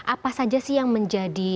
apa saja sih yang menjadi